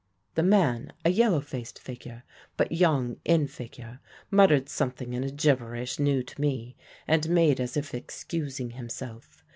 "The man a yellow faced fellow, but young in figure muttered something in a gibberish new to me, and made as if excusing himself.